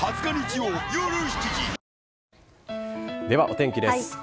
ではお天気です。